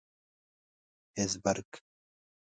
هېزبرګ.